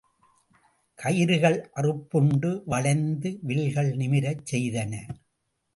கயிறுகள் அறுப்புண்டு வளைந்த வில்களை நிமிரச் செய்தன.